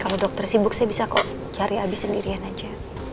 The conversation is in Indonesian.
kalau dokter sibuk saya bisa kok cari habis sendirian aja